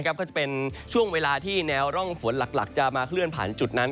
ก็จะเป็นช่วงเวลาที่แนวร่องฝนหลักจะมาเคลื่อนผ่านจุดนั้น